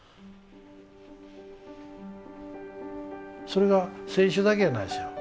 それが選手だけやないですよ。